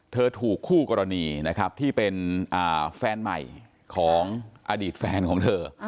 เธอถูกคู่กรณีที่เป็นแฟนใหม่ของอดีตแฟนของเธอ